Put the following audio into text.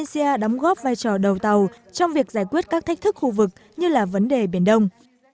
và hi vọng indonesia đóng góp vai trò đầu tàu trong việc giải quyết các thách thức khu vực như là vấn đề biển đông